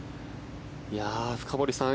深堀さん